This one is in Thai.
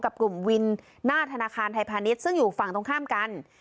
กับกลุ่มวินหน้าธนาคารไทยพาณิชย์ซึ่งอยู่ฝั่งตรงข้ามกัน